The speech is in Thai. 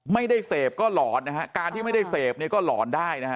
ไม่ได้เสพก็หลอนนะฮะการที่ไม่ได้เสพเนี่ยก็หลอนได้นะฮะ